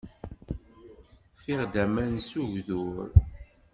Ffiɣ-d aman s ugdur.